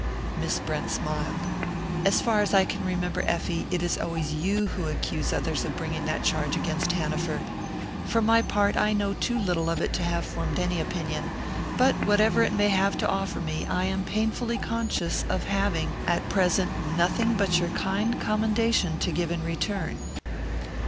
Miss Brent smiled. "As far as I can remember, Effie, it is always you who accuse others of bringing that charge against Hanaford. For my part, I know too little of it to have formed any opinion; but whatever it may have to offer me, I am painfully conscious of having, at present, nothing but your kind commendation to give in return."